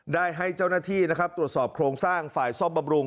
ได้ให้เจ้าหน้าที่นะครับตรวจสอบโครงสร้างฝ่ายซ่อมบำรุง